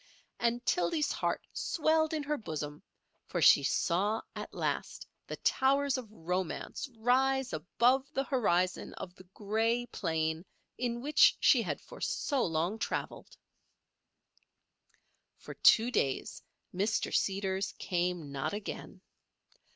And Tildy's heart swelled in her bosom, for she saw at last the towers of Romance rise above the horizon of the grey plain in which she had for so long travelled. For two days Mr. Seeders came not again.